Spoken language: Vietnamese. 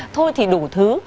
thôi thì đủ thứ